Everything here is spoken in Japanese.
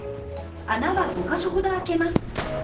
穴は５か所ほどあけます。